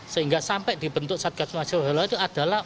sehingga sampai dibentuk satgas majola itu adalah